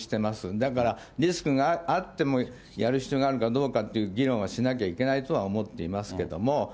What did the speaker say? だからリスクがあっても、やる必要があるのかどうかという議論はしなきゃいけないとは思っていますけども。